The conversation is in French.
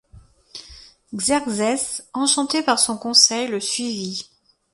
Xerxès, enchanté par son conseil, le suivit.